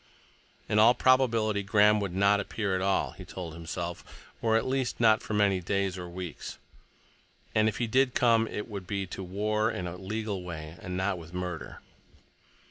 In all probability Graham would not appear at all, he told himself, or at least not for many days—or weeks; and if he did come, it would be to war in a legal way, and not with murder.